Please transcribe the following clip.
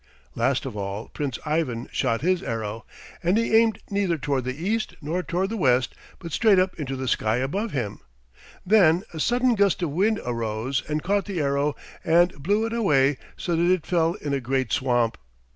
Last of all Prince Ivan shot his arrow, and he aimed neither toward the east nor the west, but straight up into the sky above him. Then a sudden gust of wind arose and caught the arrow and blew it away so that it fell in a great swamp.